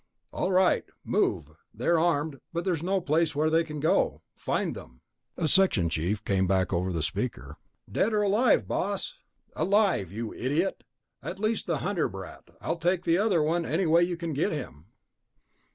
"All right, move. They're armed, but there's no place they can go. Find them." A section chief came back over the speaker. "Dead or alive, boss?" "Alive, you idiot! At least the Hunter brat. I'll take the other one any way you can get him."